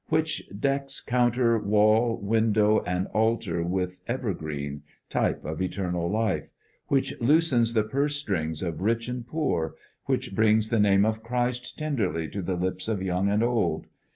which decks counter, wall, window, and altar with evergreen, type of Eternal Life; which loosens the purse strings of rich and poor; which brings the name of Christ tenderly to the lips of young and old?